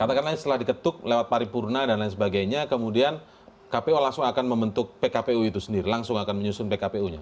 katakanlah setelah diketuk lewat paripurna dan lain sebagainya kemudian kpu langsung akan membentuk pkpu itu sendiri langsung akan menyusun pkpu nya